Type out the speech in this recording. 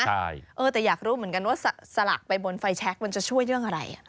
แต่อยากรู้เหมือนกันว่าสลักไปบนไฟแชคมันจะช่วยเรื่องอะไร